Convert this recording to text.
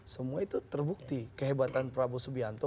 semua itu terbukti kehebatan prabowo subianto